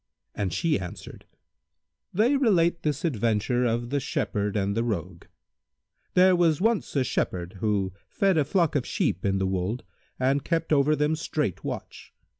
and she answered, "They relate this adventure of The Shepherd and the Rogue.[FN#159] There was once a Shepherd, who fed a flock of sheep in the wold and kept over them strait watch.